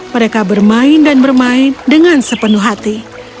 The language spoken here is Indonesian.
mereka bermain dan bermain dengan sepenuh hati